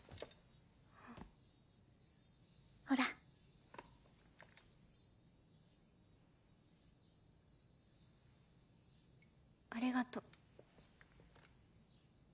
ほら。ありがと。